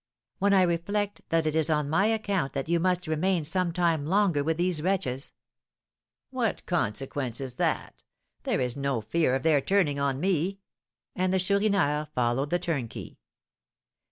"When I reflect that it is on my account that you must remain some time longer with these wretches " "What consequence is that? There is no fear of their turning on me;" and the Chourineur followed the turnkey.